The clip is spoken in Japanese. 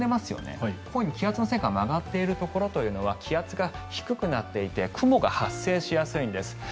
このように気圧の線が曲がっているところというのは気圧が低くなっていて雲が発生しやすいんです。